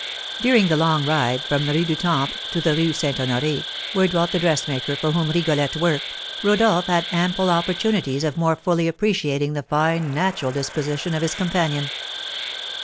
During the long ride from the Rue du Temple to the Rue St. Honoré, where dwelt the dressmaker for whom Rigolette worked, Rodolph had ample opportunities of more fully appreciating the fine natural disposition of his companion.